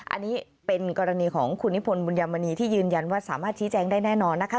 อันนี้เป็นกรณีของคุณนิพนธ์บุญยามณีที่ยืนยันว่าสามารถชี้แจงได้แน่นอนนะคะ